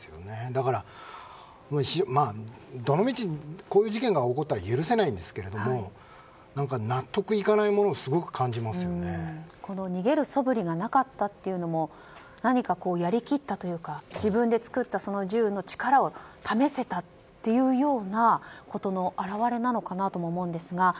だから、どのみちこういう事件が起こったら許せないんですけれども納得いかないものを逃げるそぶりがなかったというのも何か、やりきったというか自分で作った銃の力を試せたというようなことの表れなのかなと思うんですが。